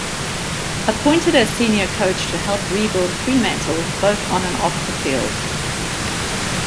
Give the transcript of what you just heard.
Appointed as senior coach to help rebuild Fremantle both on and off the field.